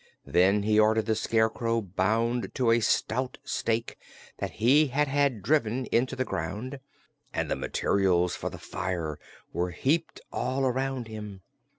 Then he ordered the Scarecrow bound to a stout stake that he had had driven into the ground, and the materials for the fire were heaped all around him.